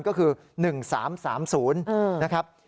ก็คือ๑๓๓๐นะครับ